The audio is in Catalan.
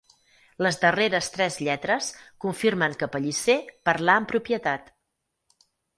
Les darreres tres lletres confirmen que Pellicer parlà amb propietat.